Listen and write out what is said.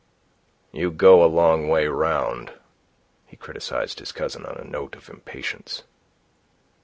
"You go a long way round," he criticized his cousin, on a note of impatience.